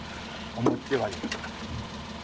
思ってはいる。